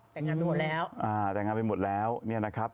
แต่งงานไปหมดแล้วอ่าแต่งงานไปหมดแล้วเนี่ยนะครับ